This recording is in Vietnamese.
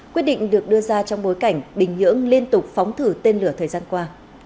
quyết định được đưa ra trong bối cảnh bình nhưỡng liên tục phóng thử tên lửa thời gian qua